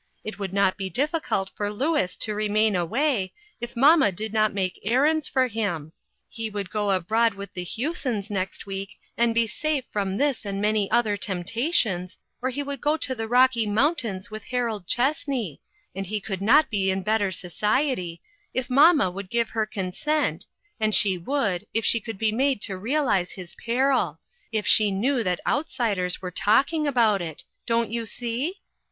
It would not be difficult for Louis to remain away, if mamma did not make errands for him. He would go abroad with the Husons next week, and be safe from this and many other temptations, or he would go to the Rocky Mountains with Harold Chessney and he could not be in better society if mamma would give her consent , and she would, if NEW LINES OF WORK. 345 she could be made to realize his peril if she knew that outsiders were talking about it. Don't you see